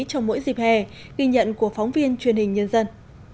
trong mỗi dịp hè ghi nhận của phóng viên truyền hình nhân dân